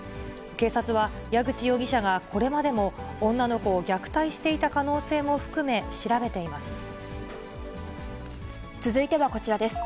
警察は、矢口容疑者がこれまでも女の子を虐待していた可能性も含め調べて続いてはこちらです。